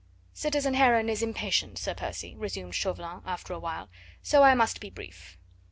"Citizen Heron is impatient, Sir Percy," resumed Chauvelin after a while, "so I must be brief.